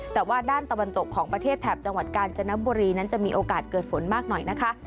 แต่ว่าด้านตะวันตกของประเทศแถบจังหวัดกาญจนบุรีนั้นจะมีโอกาสเกิดฝนมากหน่อยนะคะ